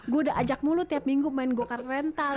gue udah ajak mulu tiap minggu main go kart rental